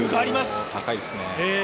お、高いですね。